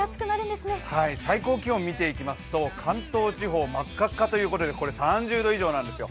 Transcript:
最高気温を見ていきますと関東地方、真っ赤っかということでこれ、３０度以上なんですよ。